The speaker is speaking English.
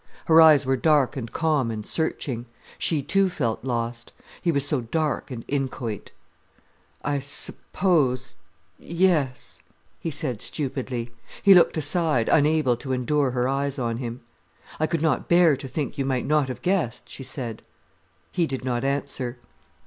Her eyes were dark and calm and searching. She too felt lost. He was so dark and inchoate. "I suppose—yes," he said stupidly. He looked aside, unable to endure her eyes on him. "I could not bear to think you might not have guessed," she said. He did not answer.